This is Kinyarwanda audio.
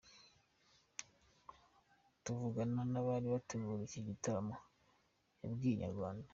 Tuvugana n’abari gutegura iki gitaramo babwiye Inyarwanda.